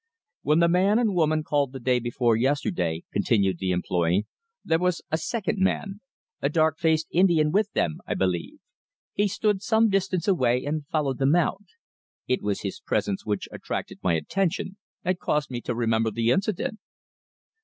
"When the man and woman called the day before yesterday," continued the employée, "there was a second man a dark faced Indian with them, I believe. He stood some distance away, and followed them out. It was his presence which attracted my attention and caused me to remember the incident."